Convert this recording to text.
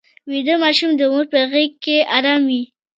ویده ماشوم د مور په غېږ کې ارام وي